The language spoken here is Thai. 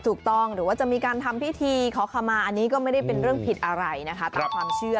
ถูกต้องหรือว่าจะมีการทำพิธีขอขมาอันนี้ก็ไม่ได้เป็นเรื่องผิดอะไรนะคะตามความเชื่อ